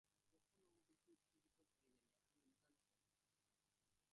কখনো বেশি উত্তেজিত হয়ে গেলে আমি অজ্ঞান হয়ে যাই।